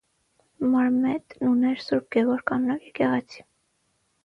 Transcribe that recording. Մարմետն ուներ Ս. Գևորգ անունով եկեղեցի։